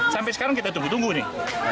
sampai sekarang kita tunggu tunggu nih